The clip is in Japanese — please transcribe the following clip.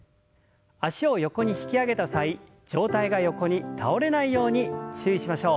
脚を横に引き上げた際上体が横に倒れないように注意しましょう。